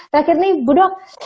terakhir nih budok